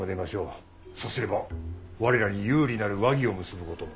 さすれば我らに有利なる和議を結ぶことも。